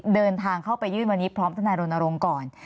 เดินทางเข้าไปยื่นวันนี้พร้อมทนายรณรงค์ก่อน